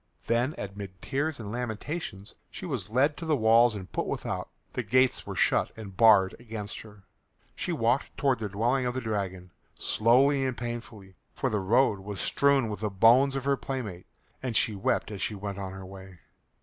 Then amid tears and lamentations she was led to the walls and put without. The gates were shut and barred against her. She walked towards the dwelling of the dragon, slowly and painfully, for the road was strewn with the bones of her playmates, and she wept as she went on her way.